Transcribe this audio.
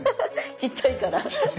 ちっちゃいから。